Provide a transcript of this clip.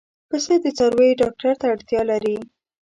پسه د څارویو ډاکټر ته اړتیا لري.